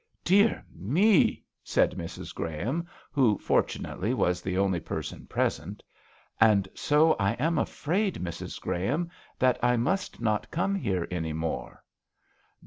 "Dear me! " said Mrs. Graham, who, fortunately, was the only person present. " And so I am afraid, Mr^ 90 th£ Violin obbligato. Graham^ that I must not come here any more."